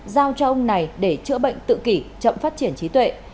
giao cho ông này để chữa bệnh tự kỷ chậm phát triển trí tuệ